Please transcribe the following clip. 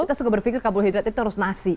kita suka berpikir karbohidrat itu harus nasi